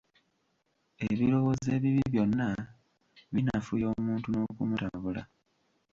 Ebirowoozo ebibi byonna binafuya omuntu n'okumutabula.